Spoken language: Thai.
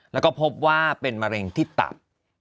แล้วก็พบว่าเป็นมะเร็งที่ตับ